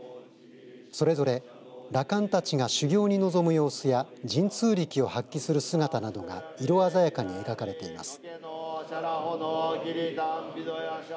それぞれ羅漢たちが修行に臨む様子や神通力を発揮する姿などが色鮮やかに描かれています。